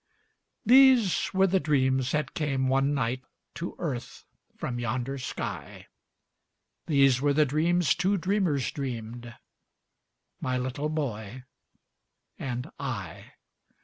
These were the dreams that came one night To earth from yonder sky; These were the dreams two dreamers dreamed My little boy and I.